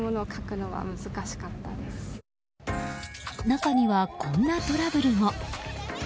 中には、こんなトラブルも。